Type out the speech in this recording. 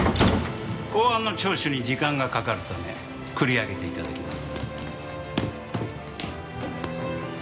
公安の聴取に時間がかかるため繰り上げて頂きます。